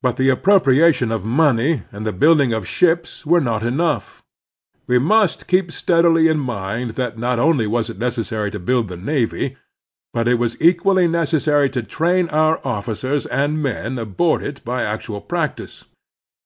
But the appropriation of money and the build ing of ships were not enough. We must keep Steadily in mind that not only was it necessary to itii Mi Preparedness and Unpreparedness 173 btiild the navy, but it was equally necessary to train otir officers and men aboard it by actual practice.